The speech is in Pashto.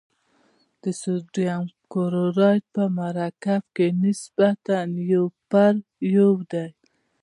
د سوډیم کلورایډ په مرکب کې نسبت یو پر یو دی.